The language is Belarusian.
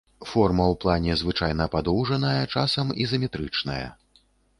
Форма ў плане звычайна падоўжаная, часам ізаметрычная.